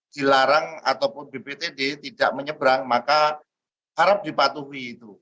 dilarang ataupun bptd tidak menyeberang maka harap dipatuhi itu